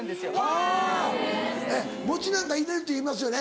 はぁ餅なんか入れるっていいますよね